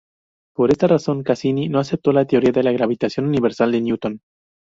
Por esta razón Cassini no aceptó la teoría de la gravitación universal de Newton.